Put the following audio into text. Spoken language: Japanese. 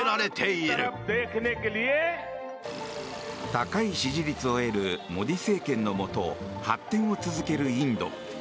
高い支持率を得るモディ政権のもと発展を続けるインド。